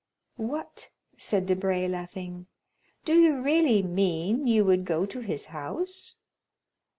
"What," said Debray, laughing; "do you really mean you would go to his house?"